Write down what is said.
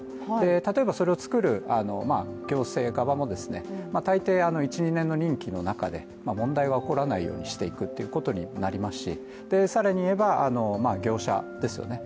例えばそれを作る行政側も大抵、１２年の任期の中で問題が起こらないようにしていくということになりますし、更にいえば、業者ですよね。